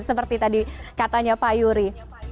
seperti tadi katanya pak yuri